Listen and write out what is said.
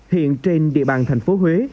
hiện trên địa bàn thành phố huế